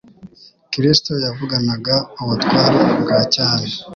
Kristo yavuganaga ubutware bwa cyami :